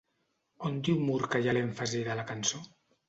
On diu Moore que hi ha l'èmfasi de la cançó?